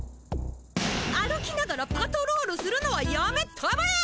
歩きながらパトロールするのはやめたまえ！